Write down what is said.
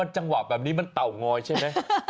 จังหวะแบบนี้มันเตางอยใช่ไหม